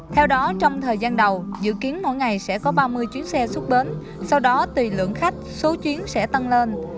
theo đó trong thời gian đầu dự kiến mỗi ngày sẽ có ba mươi chuyến xe xuất bến sau đó tùy lượng khách số chuyến sẽ tăng lên